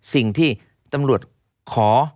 สิ่งที่ตำรวจขอ